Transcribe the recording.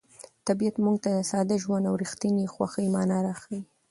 طبیعت موږ ته د ساده ژوند او رښتیني خوښۍ مانا راښيي.